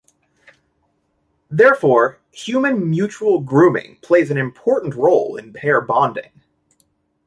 Therefore, human mutual grooming plays an important role in pair bonding.